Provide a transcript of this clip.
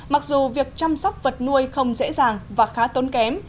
mặc dù việc chăm sóc vật nuôi không dễ dàng và khá tốn kém